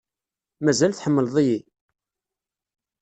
Mazal tḥemmleḍ-iyi?